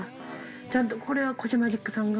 ちゃんとこれはコジマジックさんが？